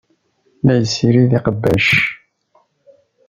La yessirid iqbac.